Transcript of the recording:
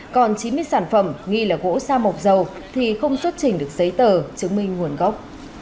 còn chín mươi sản phẩm nghi là gỗ sa mộc dầu thì không xuất trình được giấy tờ chứng minh nguồn gốc